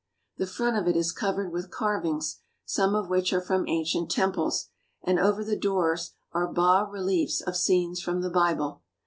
The front of it is covered with carvings, some of which are from ancient temples, and over the doors are bas reliefs of scenes from the Bible.